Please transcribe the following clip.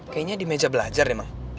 kayaknya di meja belajar ya bang